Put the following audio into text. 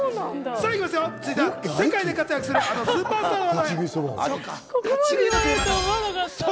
続いては世界で活躍する、あのスーパースターの話題。